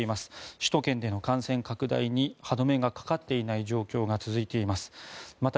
首都圏での感染拡大に歯止めがかかっていない状況が続いています。